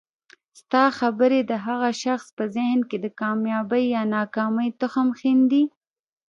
ستا خبري د هغه شخص په ذهن کي د کامیابۍ یا ناکامۍ تخم ښیندي